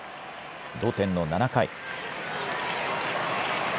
同点の７回。